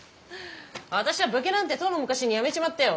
私ゃ武家なんてとうの昔にやめちまったよ。